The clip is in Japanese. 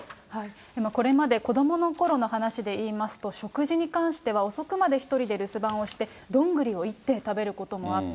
これまで子どものころの話でいいますと、食事に関しては遅くまで１人で留守番をして、どんぐりをいって食べることもあった。